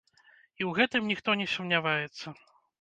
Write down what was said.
І ў гэтым ніхто не сумняваецца.